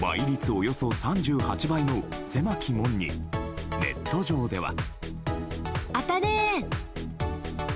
およそ３８倍の狭き門にネット上では。